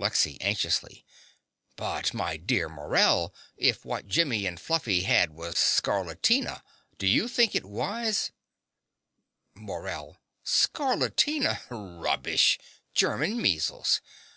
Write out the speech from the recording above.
LEXY (anxiously). But, my dear Morell, if what Jimmy and Fluffy had was scarlatina, do you think it wise MORELL. Scarlatina! rubbish, German measles.